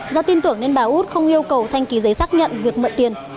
do tin tưởng nên bà út không yêu cầu thanh ký giấy xác nhận việc mượn tiền